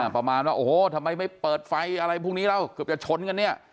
ประมาณว่าโอ้โหทำไมไม่เปิดไฟอะไรพวกนี้แล้วเกือบจะชนกันเนี่ย